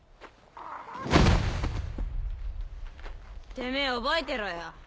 てめぇ覚えてろよ。